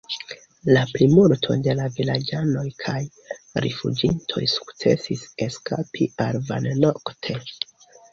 La plimulto de la vilaĝanoj kaj la rifuĝintoj sukcesis eskapi al Van nokte.